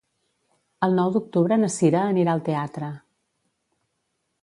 El nou d'octubre na Sira anirà al teatre.